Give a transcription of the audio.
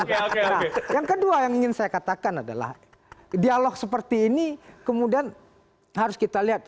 nah yang kedua yang ingin saya katakan adalah dialog seperti ini kemudian harus kita lihat